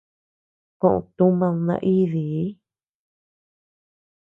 Kód tumad naídii.